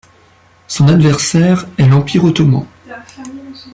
Son adversaire est l'Empire ottoman.